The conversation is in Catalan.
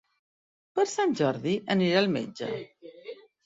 Per Sant Jordi anirà al metge.